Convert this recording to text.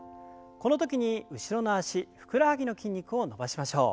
この時に後ろの脚ふくらはぎの筋肉を伸ばしましょう。